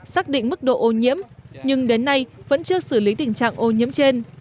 xác định mức độ ô nhiễm nhưng đến nay vẫn chưa xử lý tình trạng ô nhiễm trên